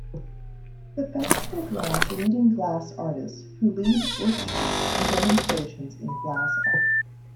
The festival draws leading glass artists who lead workshops and demonstrations in glass art.